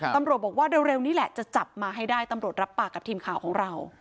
ตำรวจบอกว่าเร็วนี้แหละจะจับมาให้ได้ตำรวจรับปากกับทีมข่าวของเรา